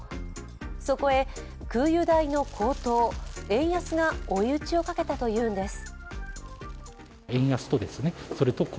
そこへ空輸代の高騰、円安が追い打ちをかけたというのです。